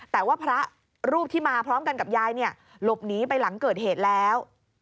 แต่ว่าพระรูปที่มาพร้อมกันกับยายเนี่ยหลบหนีไปหลังเกิดเหตุแล้ว